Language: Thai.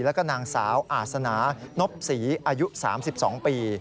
แล้วก็นางสาวอาศนานพศรีอายุ๓๒ปี